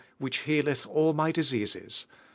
which healeth all my diseases" IPs.